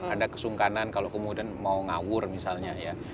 ada kesungkanan kalau kemudian mau ngawur misalnya ya